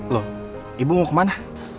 loh ibu mau kemana